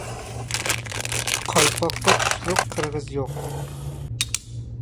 قالپاققا تۇشلۇق قىرغىز يوق.